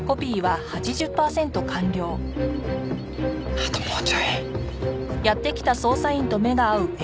あともうちょい。